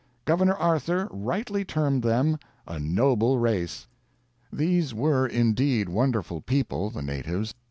Governor Arthur rightly termed them a noble race." These were indeed wonderful people, the natives.